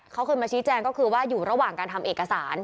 เขาเคยมาชี้แจงก็คือว่าอยู่ระหว่างการทำเอกสาร